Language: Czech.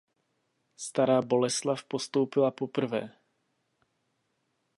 Stará Boleslav postoupila poprvé.